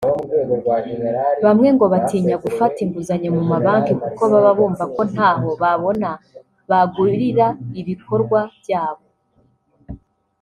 Bamwe ngo batinya gufata inguzanyo mu mabanki kuko baba bumva ko ntaho babona bagurira ibikorwa byabo